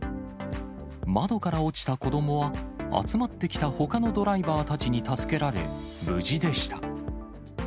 窓から落ちた子どもは、集まってきたほかのドライバーたちに助けられ、無事でした。